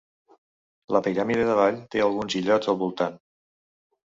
La Piràmide de Ball té alguns illots al voltant.